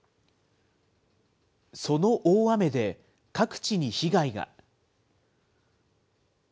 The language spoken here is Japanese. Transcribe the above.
その大雨で、各地に被害が。